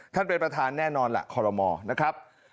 ท่านเป็นประธานแน่นอนละคอลโรมนะครับ